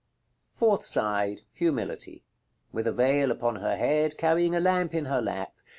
§ LXXXI. Fourth side. Humility; with a veil upon her head, carrying a lamp in her lap.